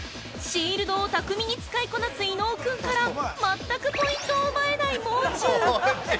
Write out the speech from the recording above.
◆シールドを巧みに使いこなす伊野尾君から全くポイントを奪えない、もう中。